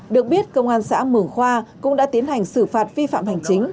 được biết công an xã mường khoa cũng đã tiến hành xử phạt vi phạm hành chính